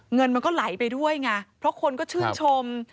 เงินมันก็ไหลไปด้วยไงเพราะคนก็ชื่นชม